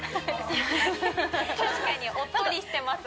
ハハフフ確かにおっとりしてます